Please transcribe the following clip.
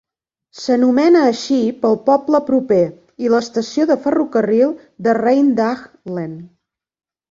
S'anomena així pel poble proper i l'estació de ferrocarril de Rheindahlen.